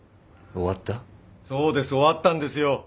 終わったんですよ。